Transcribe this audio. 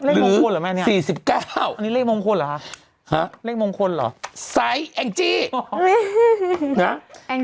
หรือ๔๙อันนี้เลขมงคลเหรอฮะ